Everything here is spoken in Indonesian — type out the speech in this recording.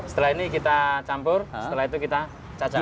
setelah ini kita campur setelah itu kita cacat